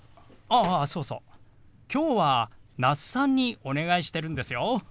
ああそうそう今日は那須さんにお願いしてるんですよ。